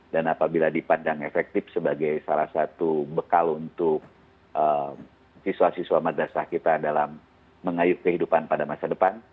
dan apabila dipandang efektif sebagai salah satu bekal untuk siswa siswa madrasa kita dalam mengayuh kehidupan pada masa depan